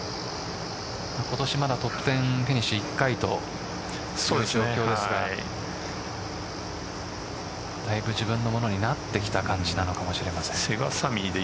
今年まだトップ１０フィニッシュ１回という状況ですからだいぶ自分のものになってきた感じかもしれません。